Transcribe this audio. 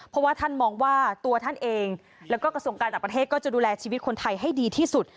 เพราะว่าท่านมองว่าตัวท่านเองแล้วก็กระทรวงการต่างประเทศก็จะดูแลชีวิตคนไทยให้ดีที่สุด